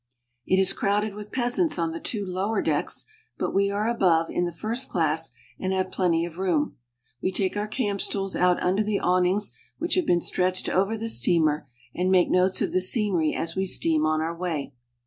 It is crowded with peasants on the two lower decks, but we are above, In the first class, and have plenty of room. We take our camp stools out under the awnings which have been stretched over the steamer, and make notes of the scenery as we steam on our way.